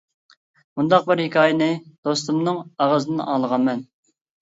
مۇنداق بىر ھېكايىنى دوستۇمنىڭ ئاغزىدىن ئاڭلىغانمەن.